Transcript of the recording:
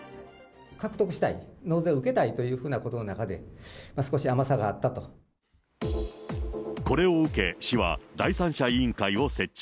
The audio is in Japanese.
獲得したい、納税を受けたいということの中で、これを受け市は、第三者委員会を設置。